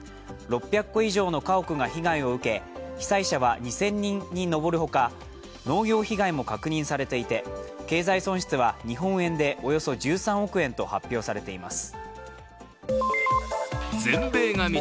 ６００戸以上の家屋が被害を受け被災者は２０００人に上るほか農業被害も確認されていて経済損失は日本円でおよそ１３億円と発表されています。